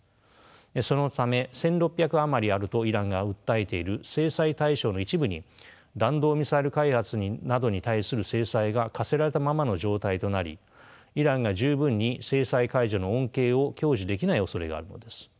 そのため１，６００余りあるとイランが訴えている制裁対象の一部に弾道ミサイル開発などに対する制裁が科せられたままの状態となりイランが十分に制裁解除の恩恵を享受できないおそれがあるのです。